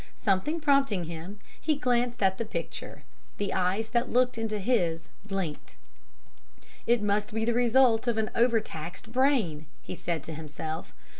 Something prompting him, he glanced at the picture. The eyes that looked into his blinked. "'It must be the result of an overtaxed brain,' he said to himself.